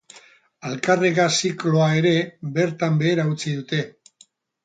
Alkarregaz zikloa ere bertan behera utzi dute.